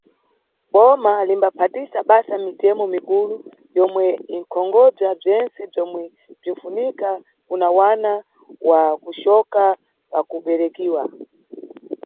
Boma limbaphatisa basa mitemo mikulu yomwe inʼkonkhobza bzentse bzomwe bzinʼfunika kuna mwana wa kucoka pakuberekiwa.